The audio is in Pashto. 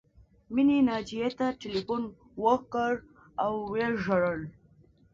مینې ناجیې ته ټیلیفون وکړ او وژړل